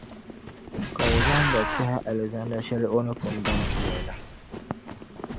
Ka O zaŋ ba kpεhi Alizanda shεli O ni pun baŋsi ba la.